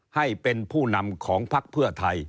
ให้เป็นผู้นำของภักดิ์เพื่อไทย